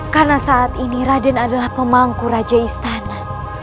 karena saat ini raden adalah pemangku raja istana